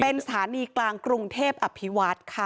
เป็นสถานีกลางกรุงเทพอภิวัฒน์ค่ะ